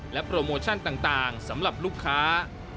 โปรโมชั่นต่างสำหรับลูกค้า